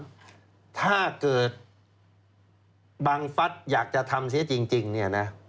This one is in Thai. ถ้าเกิดบังฟัฐอยากจะทำเสียจริงเนี่ยนะ